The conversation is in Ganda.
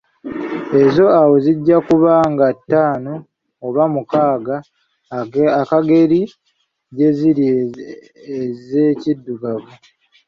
Ezo awo zijja kuba nga ttaano oba mukaaga akageri gye ziri ez’Ekiddugavu.